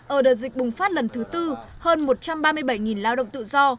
ở đợt dịch bùng phát lần thứ tư hơn một trăm ba mươi bảy lao động tự do